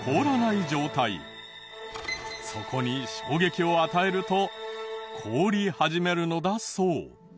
そこに衝撃を与えると凍り始めるのだそう。